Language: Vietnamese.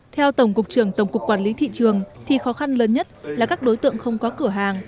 theo tổng cục trưởng tổng cục quản lý thị trường thì khó khăn lớn nhất là các đối tượng không có cửa hàng